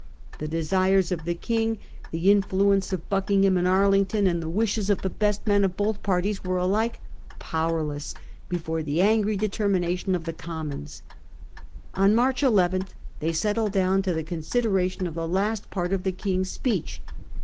The desires of the King, the influence of Buckingham and Arlington, and the wishes of the best 1 68 Contest regarding Toleration. 1668. men of both parties were alike powerless before the angry determination of the Commons. On March n they settled down to the consideration of the last part of the King's speech.